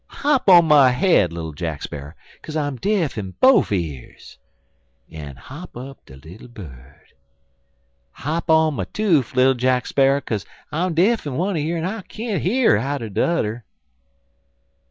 "'Hop on my head, little Jack Sparrer, kaze I'm de'f in bofe years.' "Up hop de little bird. "'Hop on my toof, little Jack Sparrer, kaze I'm de'f in one year en I can't hear out'n de udder.'